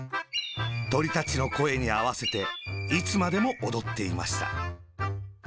トリたちのこえにあわせて、いつまでもおどっていました。